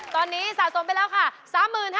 ตอนนี้สะสมไปแล้วค่ะ๓๕๐๐๐บาท